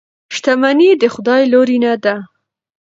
شتمني د خدای لورینه ده.